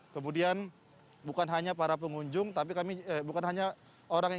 kemudian bukan hanya para pengunjung tapi kami bukan hanya orang yang